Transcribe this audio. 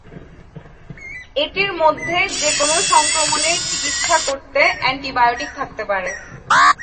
এটির মধ্যে যেকোন সংক্রমণের চিকিৎসা করতে অ্যান্টিবায়োটিক থাকতে পারে।